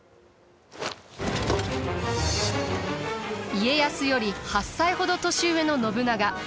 家康より８歳ほど年上の信長。